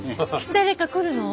誰か来るの？